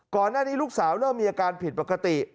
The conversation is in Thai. ก่อนหน้านี้ลูกสาวเริ่มมีอาการผิดปกติ